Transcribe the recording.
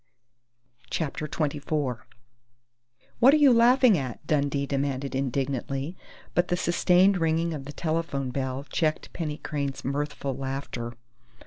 CHAPTER TWENTY FOUR "What are you laughing at?" Dundee demanded indignantly, but the sustained ringing of the telephone bell checked Penny Crain's mirthful laughter.